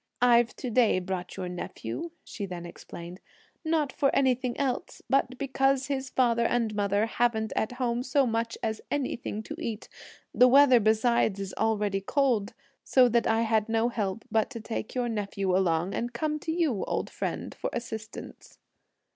"I've to day brought your nephew," she then explained, "not for anything else, but because his father and mother haven't at home so much as anything to eat; the weather besides is already cold, so that I had no help but to take your nephew along and come to you, old friend, for assistance!"